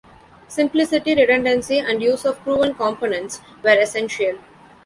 Simplicity, redundancy, and use of proven components were essential.